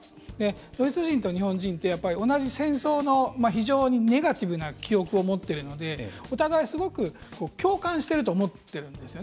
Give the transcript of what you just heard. ドイツ人と日本人って同じ戦争の非常にネガティブな記憶を持ってるので、お互いすごく共感してると思ってるんですよ。